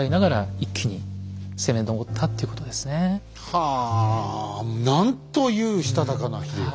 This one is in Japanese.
はあなんというしたたかな秀吉。